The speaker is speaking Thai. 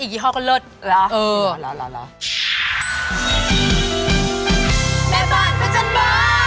อีกยี่ห้อก็เลิศเหรอเหรอเออ